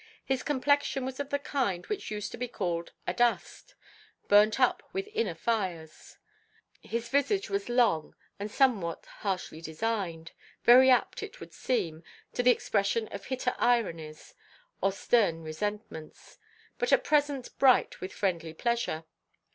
His complexion was of the kind which used to be called adust burnt up with inner fires; his visage was long and somewhat harshly designed, very apt, it would seem, to the expression of hidden ironies or stern resentments, but at present bright with friendly pleasure.